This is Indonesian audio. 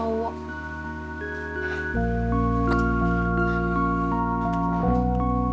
aku gak kenal